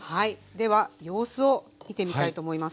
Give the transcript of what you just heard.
では様子を見てみたいと思います。